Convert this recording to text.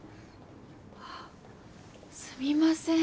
あっすみません。